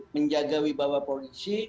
menjaga wibawa polisi